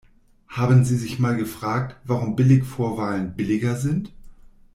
Haben Sie sich mal gefragt, warum Billigvorwahlen billiger sind?